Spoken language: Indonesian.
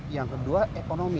yang kedua ekonomi